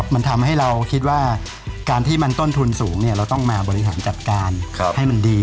มันทำให้เราคิดว่าการที่มันต้นทุนสูงเราต้องมาบริหารจัดการให้มันดี